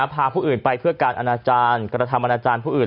พาผู้อื่นไปเพื่อการอนาจารย์กระทำอนาจารย์ผู้อื่น